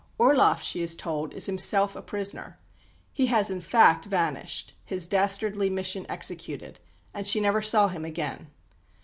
Orloff she is told is himself a prisoner. He has, in fact, vanished, his dastardly mission executed; and she never saw him again.